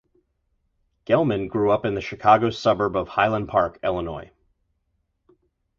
Gelman grew up in the Chicago suburb of Highland Park, Illinois.